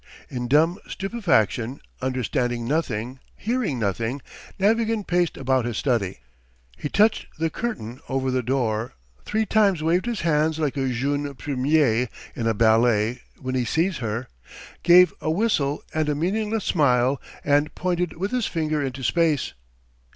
..." In dumb stupefaction, understanding nothing, hearing nothing, Navagin paced about his study. He touched the curtain over the door, three times waved his hands like a jeune premier in a ballet when he sees her, gave a whistle and a meaningless smile, and pointed with his finger into space.